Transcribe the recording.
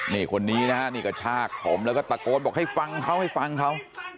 นี่คนนี้นะฮะนี่กระชากผมแล้วก็ตะโกนบอกให้ฟังเขาให้ฟังเขา